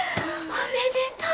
おめでとう！